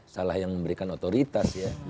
salah yang memberikan otoritas ya